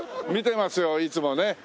見てますよいつもね。